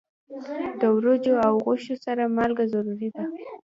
د وریجو او غوښې سره مالګه ضروری ده.